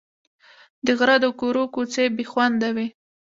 د غره د کورو کوڅې بې خونده وې.